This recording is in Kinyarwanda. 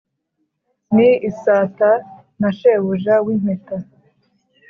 ni isata na shebuja w' impeta